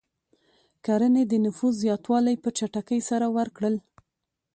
کرنې د نفوس زیاتوالی په چټکۍ سره ورکړ.